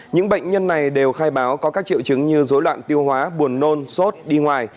những bệnh nhân này đều khai báo có các triệu chứng như dối loạn tiêu hóa buồn nôn sốt đi ngoài